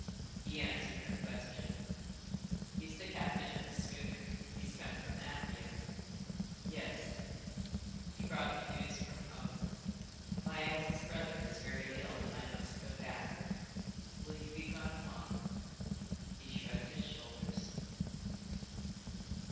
He answered her question. "He's the captain of a schooner. He's come from Apia." "Yes." "He brought me news from home. My eldest brother is very ill and I must go back." "Will you be gone long?" He shrugged his shoulders.